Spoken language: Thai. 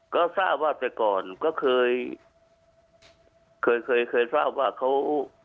ก็ทราบว่าแต่ก่อนก็เคยเคยทราบว่าเขา